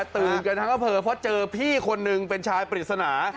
ตื่นกันทั้งอำเภอเพราะเจอพี่คนนึงเป็นชายปริศนา